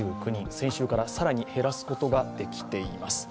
先週から更に減らすことができています。